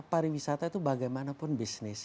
pariwisata itu bagaimanapun bisnis